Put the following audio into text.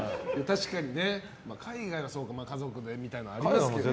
確かに海外は、家族でみたいなことありますけど。